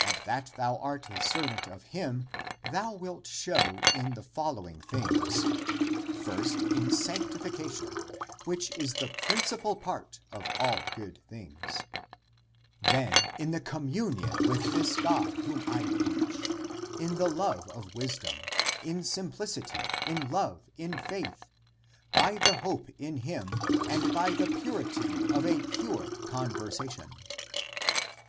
And that thou art a servant of him, thou wilt show in the following things : first in sanctification, which is the principal part of all good things; then in the communion with this God whom I preach, in the love of wisdom, in sim plicity, in love, in faith, by the hope in him and by the purity of a pure conversation."